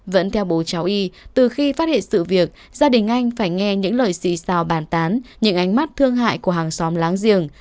vẫn theo bố cháu y từ khi phát hiện sự việc gia đình anh phải nghe những lời xị xào bàn tán những ánh mắt thương hại của hàng xóm láng giềng